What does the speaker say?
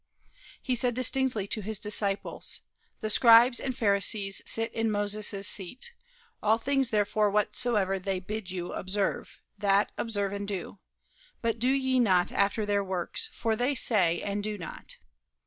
He said distinctly to his disciples: "The Scribes and Pharisees sit in Moses' seat: all things therefore whatsoever they bid you observe, that observe and do; but do ye not after their works, for they say and do not."